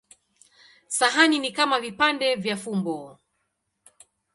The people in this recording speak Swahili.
Sahani ni kama vipande vya fumbo.